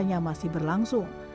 nya masih berlangsung